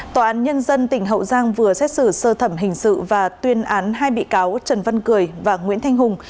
tòa án nhân dân tỉnh hậu giang vừa xét xử sơ thẩm hình sự và tuyên án hai bị cáo trần văn cười và nguyễn thanh hùng